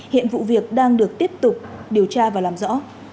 hiện vụ việc đang được tiếp tục điều tra và làm rõ